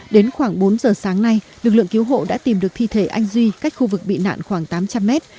đến khoảng bốn giờ sáng nay lực lượng cứu hộ đã tìm được thi thể anh duy cách khu vực bị nạn khoảng tám trăm linh mét